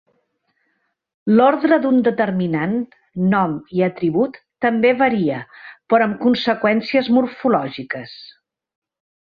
L'ordre d'un determinant, nom i atribut també varia, però amb conseqüències morfològiques.